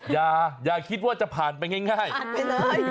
อย่าคิดว่าจะผ่านไปง่ายผ่านไปเลย